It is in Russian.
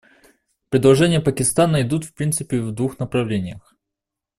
Предложения Пакистана идут в принципе в двух направлениях.